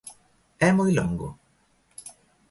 ¿É moi longo?